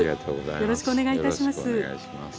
よろしくお願いします。